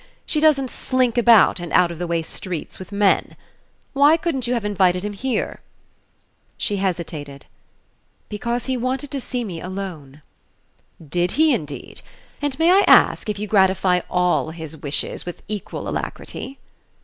She doesn't slink about in out of the way streets with men. Why couldn't you have seen him here?" She hesitated. "Because he wanted to see me alone." "Did he, indeed? And may I ask if you gratify all his wishes with equal alacrity?"